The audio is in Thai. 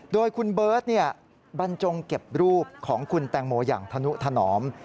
โดยคุณเบิร์ตบรรจงเก็บรูปของคุณแตงโมอย่างธนุถนอม